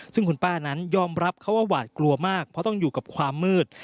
ซึ่งคุณป้านั้นยอมรับเขาว่าหวาดกลัวมากเพราะต้องอยู่กับความมืด